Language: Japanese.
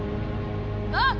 あっ！